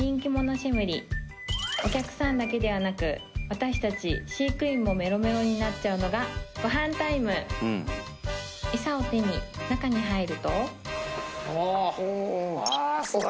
シェムリお客さんだけではなく私たち飼育員もメロメロになっちゃうのがご飯タイムエサを手に中に入るとああっうわ